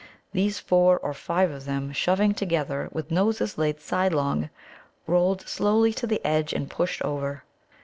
These four or five of them, shoving together, with noses laid sidelong, rolled slowly to the edge, and pushed over.